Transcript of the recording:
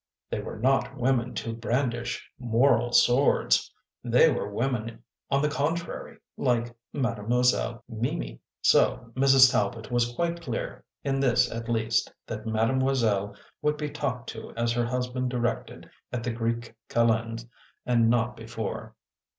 They were not women to brandish moral swords ! They were women on the contrary, like Mademoiselle Mimi. So Mrs. Talbot was quite clear, in this at least, that Mademoiselle would be talked to as her husband directed at the Greek Calends and not before.